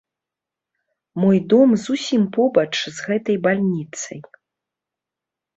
Мой дом зусім побач з гэтай бальніцай.